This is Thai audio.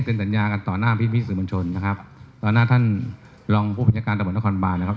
ตอนหน้าจะซัยการที่ดูพิธีสึกช่วยต่อหน้าท่านลองผู้พิจารณาการระบวนถ้าคอนบัส